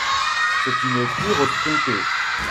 C'est une pure sprinteuse.